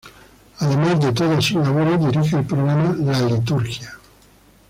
Además de todas sus labores, dirige el programa "La liturgia.